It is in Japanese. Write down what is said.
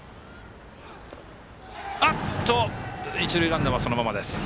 一塁ランナーはそのままです。